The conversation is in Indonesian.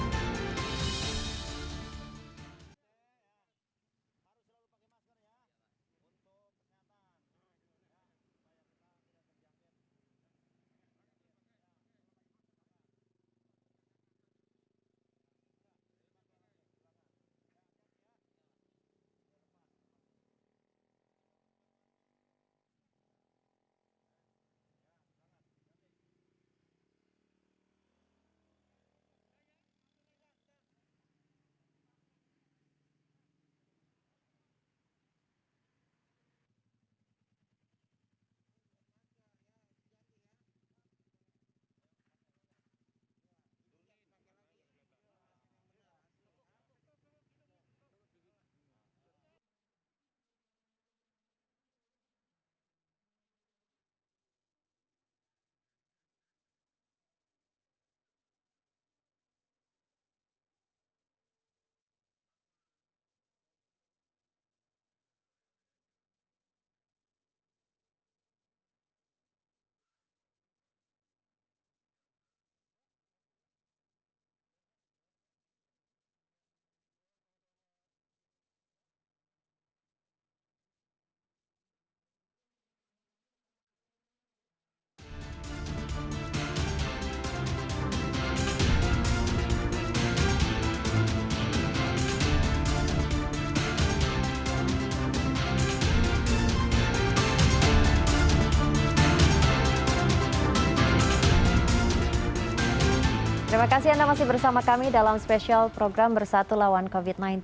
terima kasih anda masih bersama kami dalam spesial program bersatu lawan covid sembilan belas